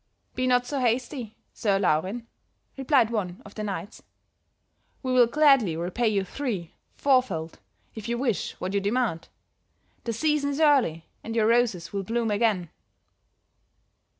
"'Be not so hasty, Sir Laurin,' replied one of the knights, 'we will gladly repay you three, four fold, if you wish, what you demand. The season is early and your roses will bloom again.'